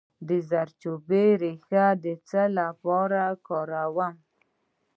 د زردچوبې ریښه د څه لپاره وکاروم؟